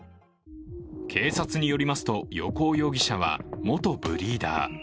警察によりますと、横尾容疑者は元ブリーダー。